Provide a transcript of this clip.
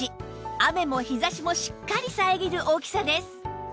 雨も日差しもしっかり遮る大きさです